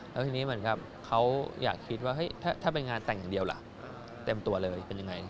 แล้วทีนี้เหมือนกับเขาอยากคิดว่าถ้าเป็นงานแต่งอย่างเดียวล่ะเต็มตัวเลยเป็นยังไง